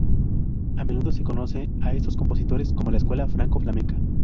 A menudo se conoce a estos compositores como la Escuela Franco-flamenca.